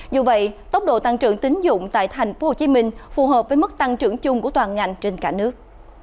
dù vậy tốc độ tăng trưởng tính dụng tại tp hcm phù hợp với mức tăng trưởng chung của toàn ngành trên cả nước